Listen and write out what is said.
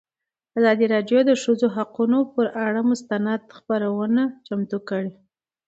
ازادي راډیو د د ښځو حقونه پر اړه مستند خپرونه چمتو کړې.